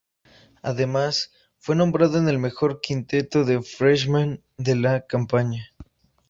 Además, fue nombrado en el mejor quinteto de freshman de la campaña.